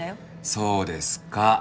そうですかぁ。